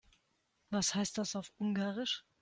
Was heißt das auf Ungarisch?